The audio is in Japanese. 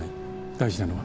大事なのは？